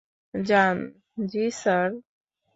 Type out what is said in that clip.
যান, জি স্যার!